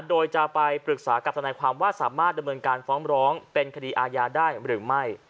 โดยจะไปปรึกษากับทนายความว่าสามารถดำเนินการฟ้องร้องเป็นคดีอาญาได้หรือไม่